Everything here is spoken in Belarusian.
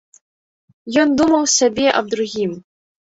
Ён думаў сабе аб другім.